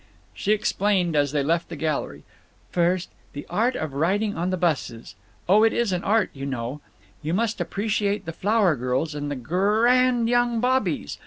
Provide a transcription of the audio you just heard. She explained as they left the gallery: "First, the art of riding on the buses. Oh, it is an art, you know. You must appreciate the flower girls and the gr r rand young bobbies.